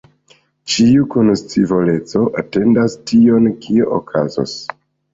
Ĉiu kun scivoleco atendas tion, kio okazos.